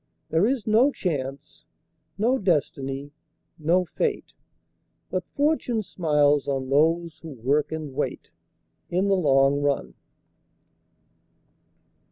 There is no Chance, no Destiny, no Fate, But Fortune smiles on those who work and wait, In the long run.